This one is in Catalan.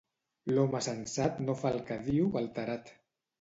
L'home sensat no fa el que diu alterat.